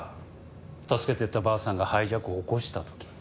助けてやったばあさんがハイジャックを起こした時。